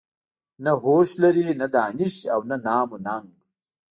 نه هوش لري نه دانش او نه نام و ننګ.